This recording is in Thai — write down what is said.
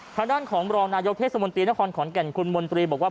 หน้าต่างของประโยคนายกเทศมนตรีนของขอนแก่นคุณสมมติบอกว่า